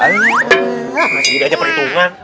ngasih ide aja perhitungan